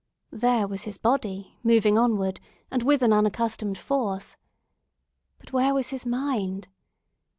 There was his body, moving onward, and with an unaccustomed force. But where was his mind?